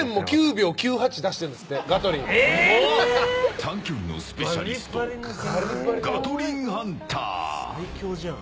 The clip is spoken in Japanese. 短距離のスペシャリストガトリンハンター。